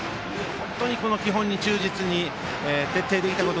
本当に基本に忠実に徹底しましたね。